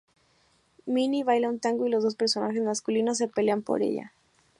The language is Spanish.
Minnie baila un tango y los dos personajes masculinos se pelean por ella.